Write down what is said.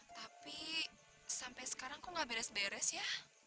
tapi sampai sekarang kok gak beres beres ya